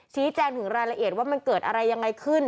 ชี้แจงถึงรายละเอียดว่ามันเกิดอะไรยังไงขึ้น